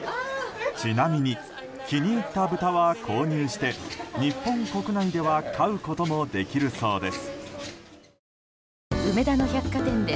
ちなみに気に入ったブタは購入して日本国内では飼うこともできるそうです。